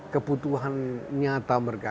kebutuhan nyata mereka